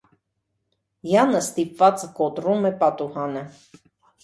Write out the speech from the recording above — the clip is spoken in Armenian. Յանը ստիպված կոտրում է պատուհանը։